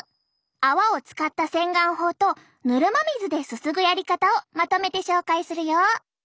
泡を使った洗顔法とぬるま水ですすぐやり方をまとめて紹介するよ。